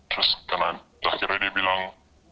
terus akhirnya dia bilang